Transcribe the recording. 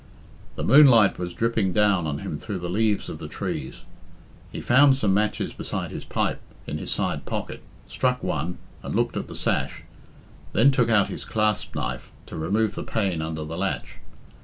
The moonlight was dripping down on him through the leaves of the trees. He found some matches beside his pipe in his side pocket, struck one, and looked at the sash, then took out his clasp knife to remove the pane under the latch.